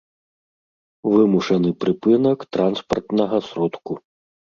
вымушаны прыпынак транспартнага сродку